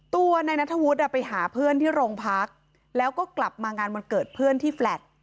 ตัวนายนัทธวุฒิไปหาเพื่อนที่โรงพักแล้วก็กลับมางานวันเกิดเพื่อนที่แลต